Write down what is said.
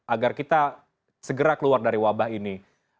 agar kita segera keluar dari wabah ini